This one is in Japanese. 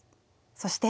そして。